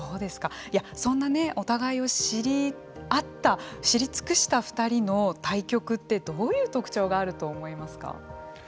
そんなね、お互いを知り尽くした２人の対局ってどういう特徴があると思いますか。